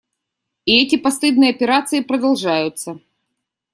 И эти постыдные операции продолжаются.